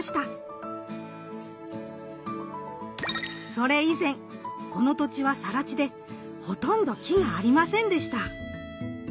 それ以前この土地はさら地でほとんど木がありませんでした。